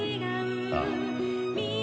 ああ。